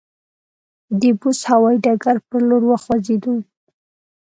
د بُست هوایي ډګر پر لور وخوځېدو.